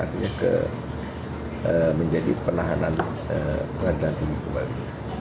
artinya menjadi penahanan pengadilan tinggi kembali